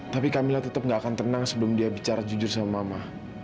tapi kami tetap gak akan tenang sebelum dia bicara jujur sama mama